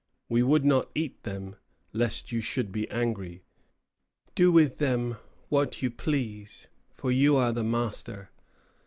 We would not eat them, lest you should be angry. Do with them what you please, for you are the master.